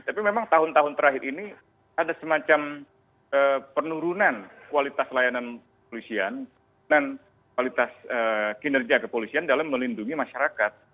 tapi memang tahun tahun terakhir ini ada semacam penurunan kualitas layanan polisian dan kualitas kinerja kepolisian dalam melindungi masyarakat